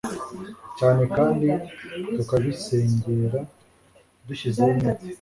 cyane kandi tukabisengera dushyizeho umwete